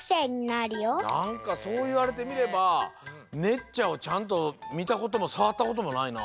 なんかそういわれてみればねっちゃをちゃんとみたこともさわったこともないな。